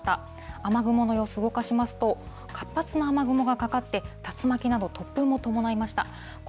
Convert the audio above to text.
雨雲の様子、動かしますと、活発な雨雲がかかって、竜巻など、突風も伴いました。